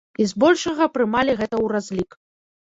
І збольшага прымалі гэта ў разлік.